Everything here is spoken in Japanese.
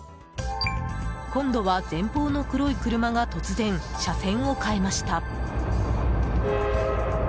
今度は前方の黒い車が突然、車線を変えました。